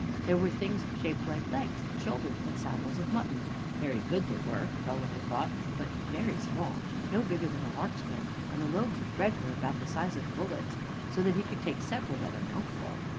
There were things shaped like legs, and shoulders, and saddles of mutton. Very good they were, Gulliver thought, but very small, no bigger than a lark's wing; and the loaves of bread were about the size of bullets, so that he could take several at a mouthful.